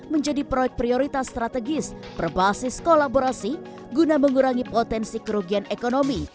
menjadi proyek prioritas strategis berbasis kolaborasi guna mengurangi potensi kerugian ekonomi